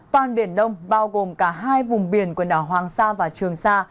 toàn biển đông bao gồm cả hai vùng biển quần đảo hoàng sa và trường sa